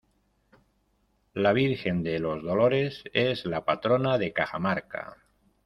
La virgen de los Dolores es la Patrona de Cajamarca.